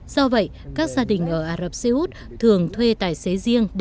do vậy các gia đình ở ả rập xê út thường thuê tài xế riêng